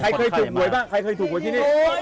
ใครเคยถูกหวยบ้างใครเคยถูกหวยที่นี่